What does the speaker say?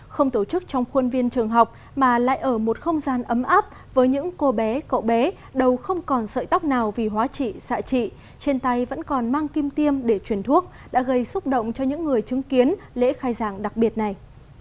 không tổ chức trong khuôn viên trường học mà lại ở một không gian ấm áp với những cô bé cậu bé đầu không còn sợi tóc nào vì hóa trị xạ trị trên tay vẫn còn mang kim tiêm để chuyển thuốc đã gây xúc động cho những người chứng kiến lễ khai giảng đặc biệt này